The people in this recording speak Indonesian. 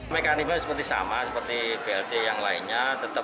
mereka menerima seperti sama seperti blt yang lainnya